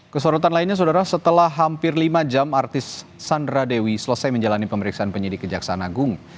kesorotan lainnya saudara setelah hampir lima jam artis sandra dewi selesai menjalani pemeriksaan penyidik kejaksaan agung